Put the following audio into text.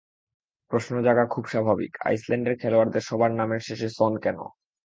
প্রশ্ন জাগা খুব স্বাভাবিক, আইসল্যান্ডের খেলোয়াড়দের সবার নামের শেষে সন কেন?